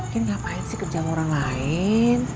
kenapa sih kerja sama orang lain